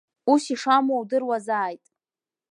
Ус ишамуа идыруазааит!